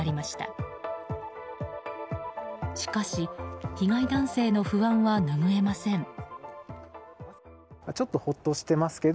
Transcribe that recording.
しかし、被害男性の不安はぬぐえません。